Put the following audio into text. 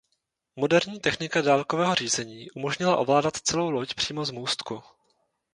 Moderní technika dálkového řízení umožnila ovládat celou loď přímo z můstku.